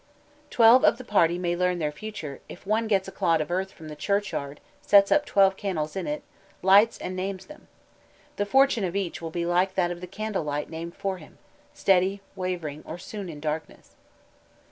_ Twelve of the party may learn their future, if one gets a clod of earth from the churchyard sets up twelve candles in it, lights and names them. The fortune of each will be like that of the candle light named for him, steady, wavering, or soon in darkness.